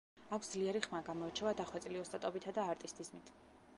აქვს ძლიერი ხმა, გამოირჩევა დახვეწილი ოსტატობითა და არტისტიზმით.